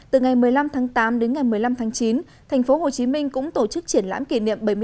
từ ngày một mươi năm tháng tám đến ngày một mươi năm tháng chín tp hcm cũng tổ chức triển lãm kỷ niệm